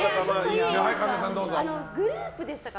グループでしたか？